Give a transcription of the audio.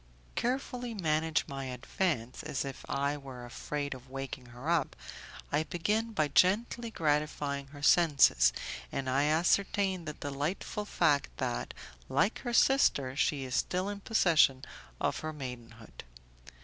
Carefully managing my advance, as if I were afraid of waking her up, I begin by gently gratifying her senses, and I ascertain the delightful fact that, like her sister, she is still in possession of her maidenhood.